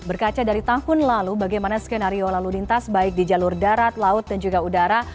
berkaca dari tahun lalu bagaimana skenario lalu lintas baik di jalur darat laut dan juga udara